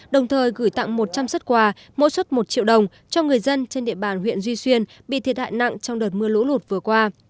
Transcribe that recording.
đồng thời gửi tặng một trăm linh xuất quà mỗi xuất một triệu đồng cho người dân trên địa bàn huyện duy xuyên bị thiệt hại nặng trong đợt mưa lũ lụt vừa qua